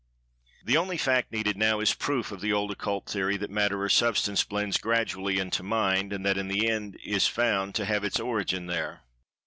The only fact needed now is the proof of the old occult theory that Matter or Substance blends gradually into Mind, and that in the end it is found to have its origin there.